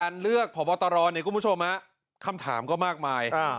อันเลือกผอบตรเนี่ยคุณผู้ชมฮะคำถามก็มากมายอ่า